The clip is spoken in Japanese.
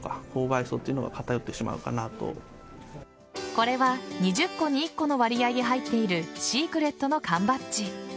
これは２０個に１個の割合で入っているシークレットの缶バッジ。